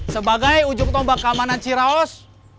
sebagai ujung tombak keamanan ciraos